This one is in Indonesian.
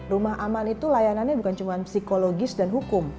rumah aman itu layanannya bukan cuma psikologis dan hukum